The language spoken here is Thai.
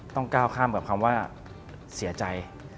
ก้าวข้ามกับคำว่าเสียใจ